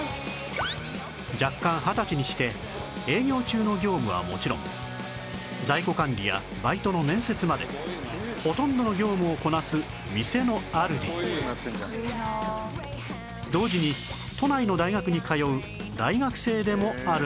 弱冠二十歳にして営業中の業務はもちろん在庫管理やバイトの面接までほとんどの業務をこなす店のあるじ同時に都内の大学に通う大学生でもあるんです